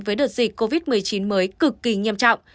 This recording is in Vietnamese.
với đợt dịch covid một mươi chín mới cực kỳ nghiêm trọng